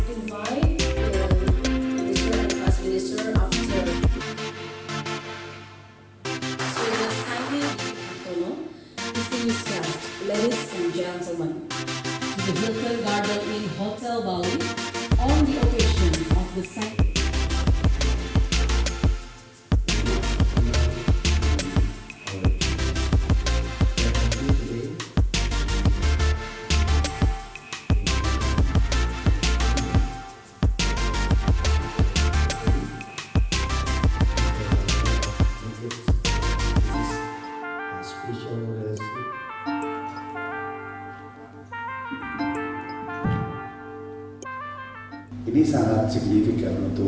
ini sangat signifikan untuk